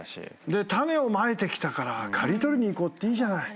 で種をまいてきたから刈り取りにいこうっていいじゃない。